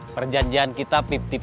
perjanjian kita lima puluh lima puluh